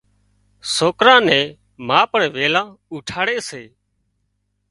سوڪران ني ما پڻ ويلِي اُوٺي سي۔